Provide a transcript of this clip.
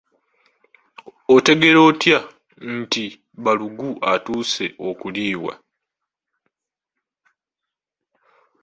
Otegeera otya nti balugu atuuse okuliibwa?